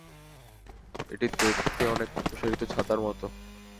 এটি দেখতে অনেকটা প্রসারিত ছাতার মতো।